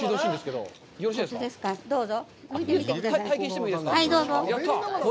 どうぞ。